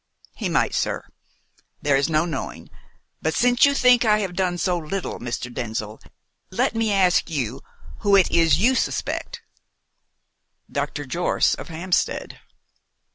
"He might, sir; there is no knowing. But since you think I have done so little, Mr. Denzil, let me ask you who it is you suspect?" "Dr. Jorce of Hampstead."